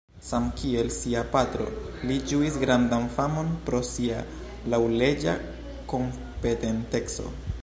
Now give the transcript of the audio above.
Samkiel sia patro, li ĝuis grandan famon pro sia laŭleĝa kompetenteco.